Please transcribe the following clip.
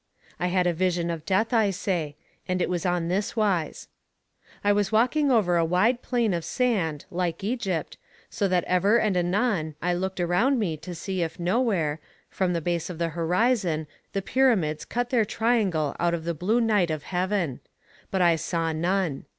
I had a vision of Death, I say. And it was on this wise: "'I was walking over a wide plain of sand, like Egypt, so that ever and anon I looked around me to see if nowhere, from the base of the horizon, the pyramids cut their triangle out of the blue night of heaven; but I saw none.